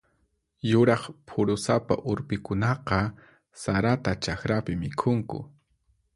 Yuraq phurusapa urpikunaqa sarata chakrapi mikhunku.